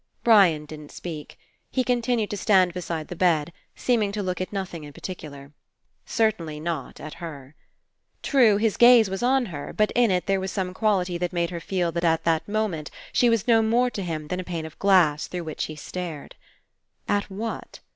Brian didn't speak. He continued to stand beside the bed, seeming to look at noth ing in particular. Certainly not at her. True, his gaze was on her, but in it there was some quality that made her feel that at that moment she was no more to him than a pane of glass through which he stared. At what?